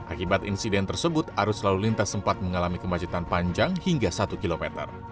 akibat insiden tersebut arus lalu lintas sempat mengalami kemacetan panjang hingga satu km